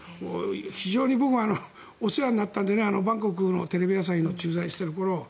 非常にお世話になったのでバンコクのテレビ朝日に駐在してた頃。